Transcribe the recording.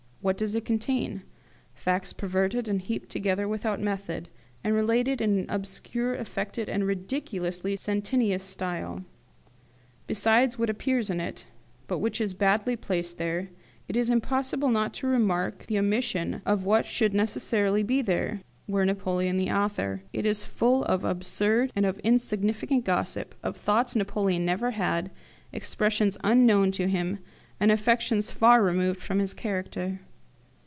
What does it contain? Facts perverted and heaped together without method, and related in an obscure, affected, and ridiculously sententious style. Besides what appears in it, but which is badly placed there, it is impossible not to remark the omission of what should necessarily be there, were Napoleon the author. It is full of absurd and of insignificant gossip, of thoughts Napoleon never had, expressions unknown to him, and affectations far removed from his character.